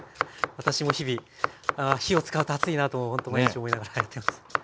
私も日々火を使うと暑いなとほんと毎日思いながらやってます。